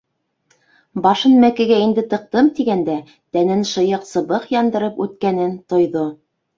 Башын мәкегә инде тыҡтым тигәндә, тәнен шыйыҡ сыбыҡ яндырып үткәнен тойҙо.